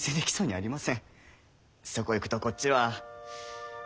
そこいくとこっちは。